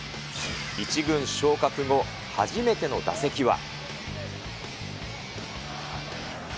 １軍昇格後、初めての打席は。